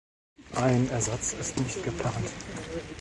Ein Ersatz ist nicht geplant.